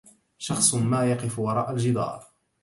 شخص ما يقف وراء الجدار.